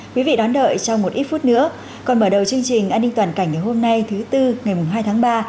quý vị đón đợi trong một ít phút nữa